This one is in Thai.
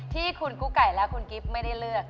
ที่คุณกุ๊กไก่และคุณกิฟต์ไม่ได้เลือก